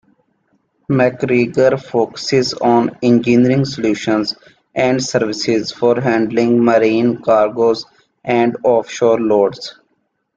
MacGregor focuses on engineering solutions and services for handling marine cargos and offshore loads.